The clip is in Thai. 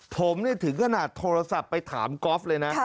ผมถึงขนาดโทรศัพท์ไปถามกอล์ฟเลยนะ